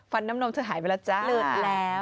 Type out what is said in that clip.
ฟันน้ำนมเธอหายไปแล้วจ้า